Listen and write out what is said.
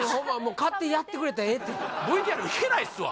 勝手にやってくれたらええてＶＴＲいけないっすわ